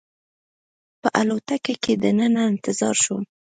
په الوتکه کې دننه انتظار شوم.